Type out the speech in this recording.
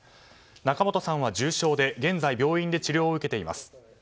仲本さんは重傷で現在、病院で治療を受けています。